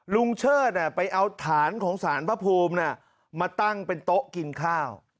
เชิดไปเอาฐานของสารพระภูมิมาตั้งเป็นโต๊ะกินข้าว